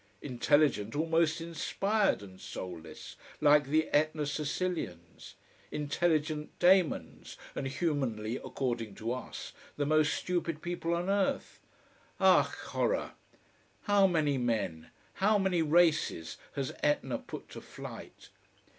Intelligent, almost inspired, and soulless, like the Etna Sicilians. Intelligent daimons, and humanly, according to us, the most stupid people on earth. Ach, horror! How many men, how many races, has Etna put to flight?